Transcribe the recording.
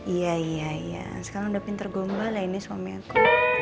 iya iya sekarang udah pinter gomba lah ini suami aku